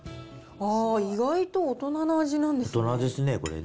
あー、意外と大人の味なんですね。